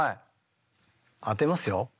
当てますよ？